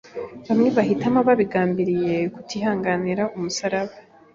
Bamwe bahitamo babigambiriye kutihanganira umusaraba